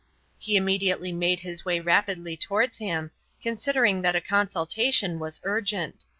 He immediately made his way rapidly towards him, considering that a consultation was urgent.